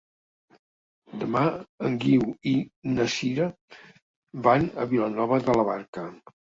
Demà en Guiu i na Sira van a Vilanova de la Barca.